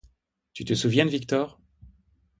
Tu te souviens de Victor?